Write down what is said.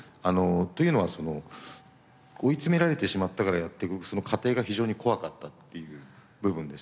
というのは追い詰められてしまったからやっていくその過程が非常に怖かったっていう部分ですとか。